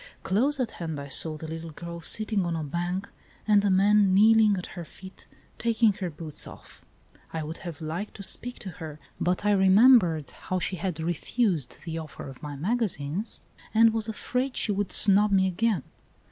Close at hand I saw the little girl sitting on a bank, and a man kneeling at her feet taking her boots off. I would have liked to speak to her, but I remembered how she had refused the offer of my magazines, and was afraid she would A RAILWAY JOURNEY 13 snub me again.